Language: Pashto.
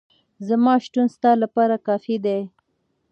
زما شتون ستا لپاره کافي دی.